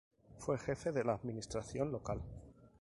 Fue Jefe de la Administración Local.